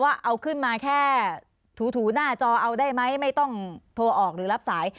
ว่าเอาขึ้นมาแค่ถูหน้าจอเอาได้ไหมไม่ต้องโทรออกหรือรับสาย